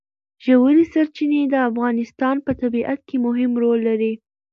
ژورې سرچینې د افغانستان په طبیعت کې مهم رول لري.